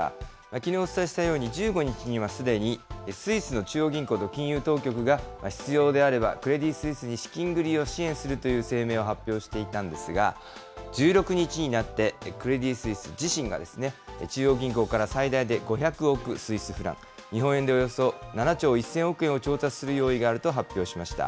きのうお伝えしたように、１５日にはすでにスイスの中央銀行と金融当局が、必要であれば、クレディ・スイスに資金繰りを支援するという声明を発表していたんですが、１６日になって、クレディ・スイス自身が、中央銀行から最大で５００億スイスフラン、日本円でおよそ７兆１０００億円を調達する用意があると発表しました。